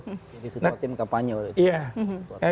jadi ketua tim kampanye